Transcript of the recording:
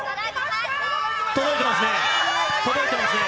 届いてますよ。